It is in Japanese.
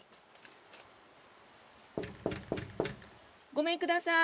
ごめんください。